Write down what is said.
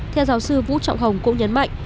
theo giáo sư vũ trọng hồng cũng nhấn mạnh